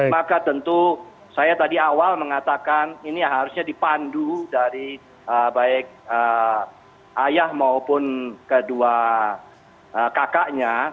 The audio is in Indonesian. maka tentu saya tadi awal mengatakan ini harusnya dipandu dari baik ayah maupun kedua kakaknya